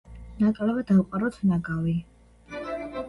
ნაკლებად დავყაროთ ნაგავი